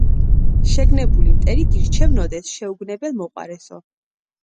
შეგნებული მტერი გირჩევნოდეს, შეუგნებელ მოყვარესო.